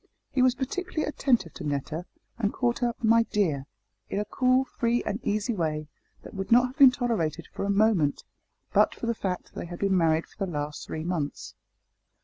He was particularly attentive to Netta, and called her "my dear," in a cool free and easy way, that would not have been tolerated for a moment, but for the fact that they had been married for the last three months.